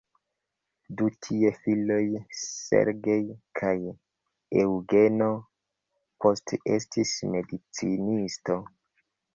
Du ties filoj "Sergej" kaj "Eŭgeno" poste estis medicinistoj.